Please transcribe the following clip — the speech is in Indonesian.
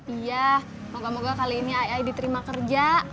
iya moga moga kali ini ae ae diterima kerja